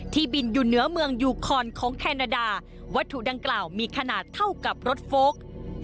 บินอยู่เหนือเมืองยูคอนของแคนาดาวัตถุดังกล่าวมีขนาดเท่ากับรถโฟลก